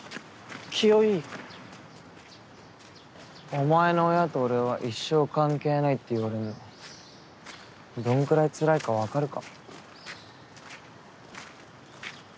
お前の親と俺は一生関係ないって言われるのどんくらいつらいか分かるか？